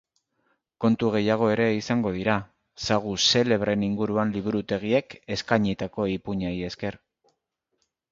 Kontu gehiago ere izango dira, sagu xelebreen inguruan liburutegiek eskainitako ipuinei esker.